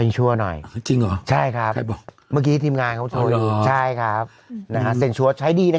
บ๊วยบ๊ายมั้งกี้ทีมงานบอกว่ารั่วโอ้ชั่วหน่อย